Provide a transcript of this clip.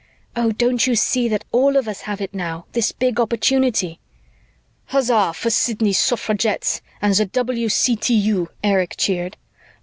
Oh, don't you see that all of us have it now, this big opportunity?" "Hussa for Sidney's suffragettes and the W.C.T.U.!" Erich cheered.